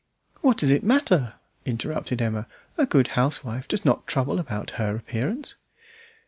"What does it matter?" interrupted Emma. "A good housewife does not trouble about her appearance."